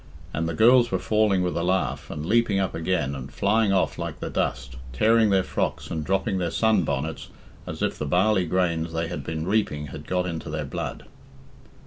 And the girls were falling with a laugh, and leaping up again and flying off like the dust, tearing their frocks and dropping their sun bonnets as if the barley grains they had been reaping had got into their blood.